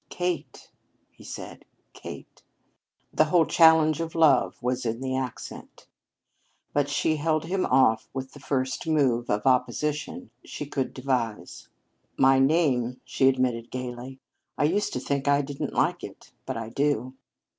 "Kate!" he said, "Kate!" The whole challenge of love was in the accent. But she held him off with the first method of opposition she could devise. "My name!" she admitted gayly. "I used to think I didn't like it, but I do."